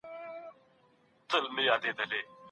د لوږي زغمل ولي د بې عزتۍ په نسبت اسان دي؟